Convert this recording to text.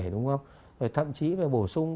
đúng không rồi thậm chí phải bổ sung